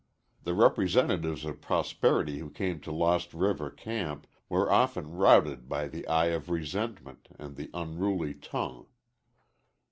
The representatives of prosperity who came to Lost River camp were often routed by the eye of resentment and the unruly tongue.